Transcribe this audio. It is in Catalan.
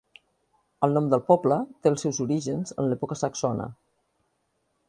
El nom del poble té els seus orígens en l'època saxona.